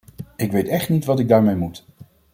Ik weet echt niet wat ik daarmee moet.